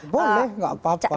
boleh gak apa apa